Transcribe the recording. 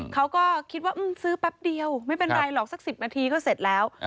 เขาก็คิดว่าซื้อแป๊บเดียวไม่เป็นไรหรอกสัก๑๐นาทีก็เสร็จแล้ว